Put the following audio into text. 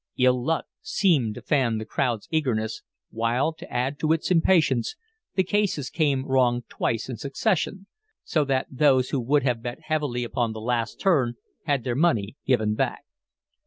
Ill luck seemed to fan the crowd's eagerness, while, to add to its impatience, the cases came wrong twice in succession, so that those who would have bet heavily upon the last turn had their money given back.